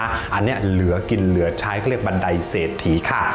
อันนี้เหลือกินเหลือใช้เขาเรียกบันไดเศรษฐีค่ะ